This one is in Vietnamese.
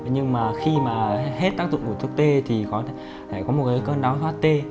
nhưng mà khi mà hết tác dụng của thuốc t thì có một cái cơn đau thoát t